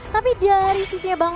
tapi dari sisinya bang